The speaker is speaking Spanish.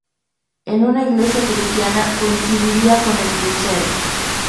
En una iglesia cristiana coincidiría con el crucero.